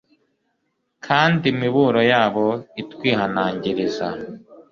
kandi imiburo yabo itwihanangiriza